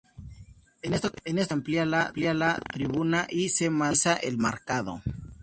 En esta ocasión se amplia la tribuna, y se moderniza el marcador.